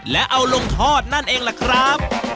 และเอาลงทอดนั่นเองล่ะครับ